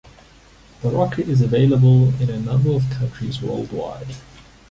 Berocca is available in a number of countries worldwide.